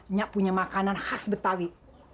nggak punya makanan khas betawi